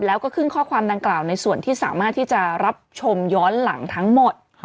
แล้วก็ขึ้นข้อความดังกล่าวในส่วนที่สามารถที่จะรับชมย้อนหลังทั้งหมด